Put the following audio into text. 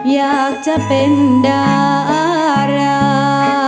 อยากจะเป็นดารา